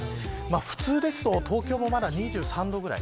普通だと東京もまだ２３度くらい。